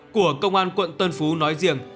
của công an quận tân phú nói riêng